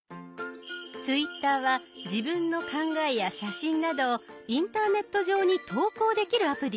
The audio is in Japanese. ツイッターは自分の考えや写真などをインターネット上に投稿できるアプリです。